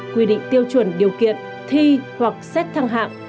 quy định tiêu chuẩn điều kiện thi hoặc xét thăng hạng